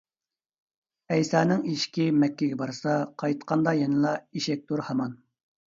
ئەيسانىڭ ئېشىكى مەككىگە بارسا، قايتقاندا يەنىلا ئېشەكتۇر ھامان.